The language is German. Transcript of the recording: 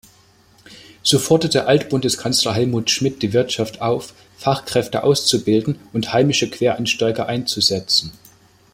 So forderte Alt-Bundeskanzler Helmut Schmidt die Wirtschaft auf, Fachkräfte auszubilden und heimische Quereinsteiger einzusetzen.